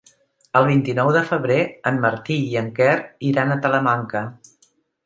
El vint-i-nou de febrer en Martí i en Quer iran a Talamanca.